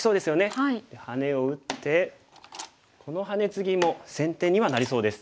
ハネを打ってこのハネツギも先手にはなりそうです。